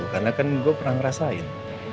karena kan gue pernah ngerasain